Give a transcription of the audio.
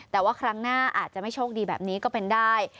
แต่ว่าครั้งหน้าอาจจะไม่โชคดีแบบนี้ก็เป็นได้